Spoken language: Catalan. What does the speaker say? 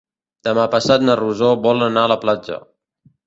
Demà passat na Rosó vol anar a la platja.